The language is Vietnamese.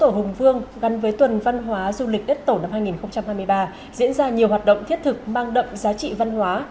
tổ hùng vương gắn với tuần văn hóa du lịch đất tổ năm hai nghìn hai mươi ba diễn ra nhiều hoạt động thiết thực mang đậm giá trị văn hóa